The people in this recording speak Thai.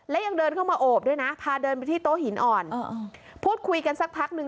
และยังเดินเข้ามาโอบด้วยนะพาเดินไปที่โต๊ะหินอ่อนพูดคุยกันสักพักหนึ่ง